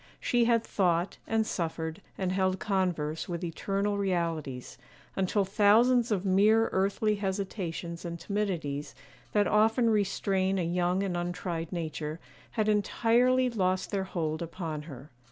She had thought, and suffered, and held converse with eternal realities, until thousands of mere earthly hesitations and timidities, that often restrain a young and untried nature, had entirely lost their hold upon her.